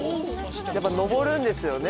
やっぱ登るんですよね